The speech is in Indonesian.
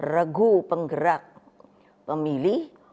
regu penggerak pemilih